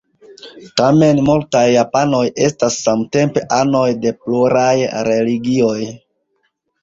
Tamen multaj japanoj estas samtempe anoj de pluraj religioj.